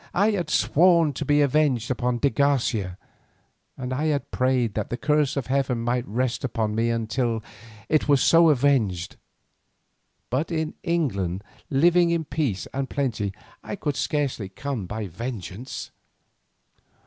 I had sworn to be avenged upon de Garcia, and I had prayed that the curse of heaven might rest upon me till I was so avenged, but in England living in peace and plenty I could scarcely come by vengeance.